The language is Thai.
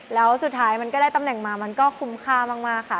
แล้วสุดท้ายมันก็ได้ตำแหน่งมามันก็คุ้มค่ามากค่ะ